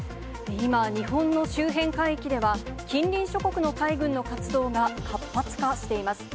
今、日本の周辺海域では、近隣諸国の海軍の活動が活発化しています。